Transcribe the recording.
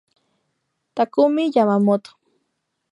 Takumi Yamamoto.